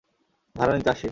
ভাড়া নিতে আসছি।